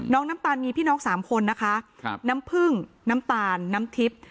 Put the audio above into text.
น้ำตาลมีพี่น้องสามคนนะคะน้ำผึ้งน้ำตาลน้ำทิพย์